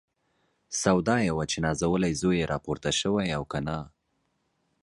سودا یې وه چې نازولی زوی یې راپورته شوی او که نه.